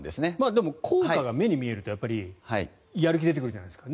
でも効果が目に見えるとやる気が出てくるじゃないですか。